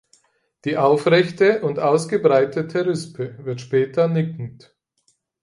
Die aufrechte und ausgebreitete Rispe wird später nickend.